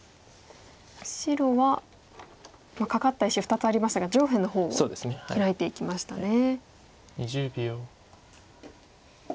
白はカカった石２つありますが上辺の方をヒラいていきましたね。